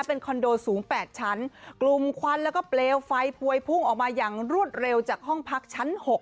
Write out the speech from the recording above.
เป็นคอนโดสูงแปดชั้นกลุ่มควันแล้วก็เปลวไฟพวยพุ่งออกมาอย่างรวดเร็วจากห้องพักชั้นหก